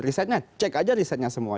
risetnya cek aja risetnya semua